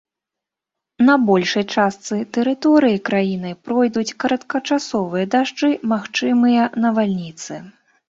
На большай частцы тэрыторыі краіны пройдуць кароткачасовыя дажджы, магчымыя навальніцы.